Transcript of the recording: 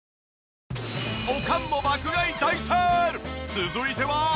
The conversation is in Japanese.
続いては。